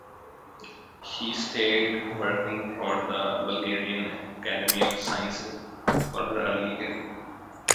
She stayed working for the Bulgarian Academy of Sciences for her early career.